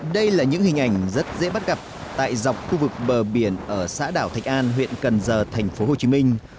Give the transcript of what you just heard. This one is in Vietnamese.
đây là những hình ảnh rất dễ bắt gặp tại dọc khu vực bờ biển ở xã đảo thạch an huyện cần giờ thành phố hồ chí minh